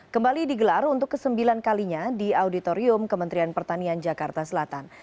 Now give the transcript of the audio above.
kembali digelar untuk kesembilan kalinya di auditorium kementerian pertanian jakarta selatan